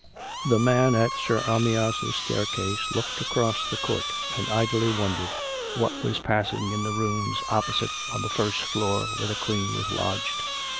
The man at Sir Amyas' staircase looked across the court and idly wondered what was passing in the rooms opposite on the first floor where the Queen was lodged.